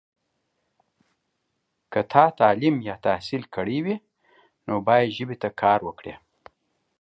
که تا تعلیم یا تحصیل کړی وي، نو باید ژبې ته کار وکړې.